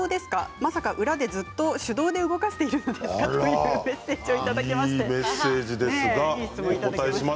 まさか裏でずっと手動で動かしているんですか？というメッセージをいただきました。